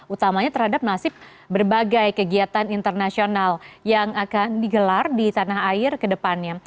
utamanya terhadap nasib berbagai kegiatan internasional yang akan digelar di tanah air ke depannya